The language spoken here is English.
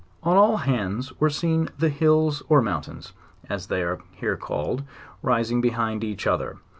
On all hands were seen the hills or mountains, as they are here called, rising behind each other.